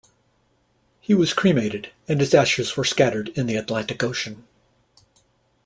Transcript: He was cremated, and his ashes were scattered in the Atlantic Ocean.